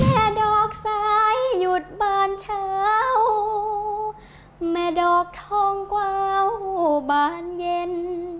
ดอกซ้ายหยุดบานเช้าแม่ดอกทองกวาวบานเย็น